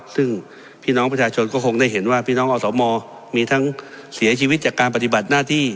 ซึ่งพี่น้องประชาชนก็คงได้เห็นว่าพี่น้องอสมมีทั้งเสียชีวิตจากการปฏิบัติหน้าที่